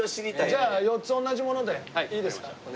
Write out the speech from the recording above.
じゃあ４つ同じものでいいですか？